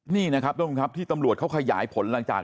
นี่นะครับทุกผู้ชมครับที่ตำรวจเขาขยายผลหลังจาก